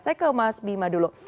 saya ke mas bima dulu